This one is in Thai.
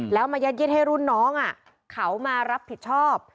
แล้วมายัดเย็ดให้รุ่นน้องเขามารับผิดชอบ